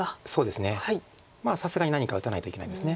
さすがに何か打たないといけないです。